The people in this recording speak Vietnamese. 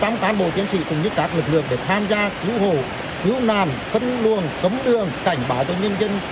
cùng với các lực lượng để tham gia cứu hộ cứu nàn khấn luồng cấm đường cảnh báo cho nhân dân